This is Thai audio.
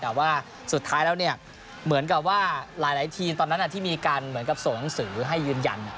แต่ว่าสุดท้ายแล้วเนี่ยเหมือนกับว่าหลายทีมตอนนั้นที่มีการเหมือนกับส่งหนังสือให้ยืนยัน